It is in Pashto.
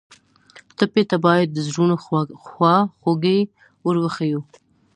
ټپي ته باید د زړونو خواخوږي ور وښیو.